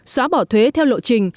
xóa bỏ thuế theo lộ trình